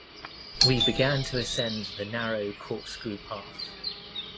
We began to ascend the narrow corkscrew path.